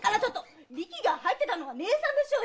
リキが入ってたのは義姉さんでしょ！